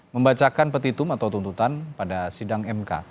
membacakan petitum atau tuntutan pada sidang mk